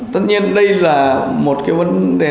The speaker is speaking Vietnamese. tất nhiên đây là một cái vấn đề